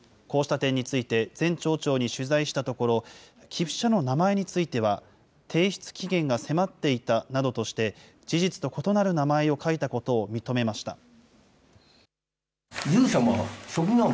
こうした点について、前町長に取材したところ、寄付者の名前については、提出期限が迫っていたなどとして、事実と異なる名前を書いたことを認めました。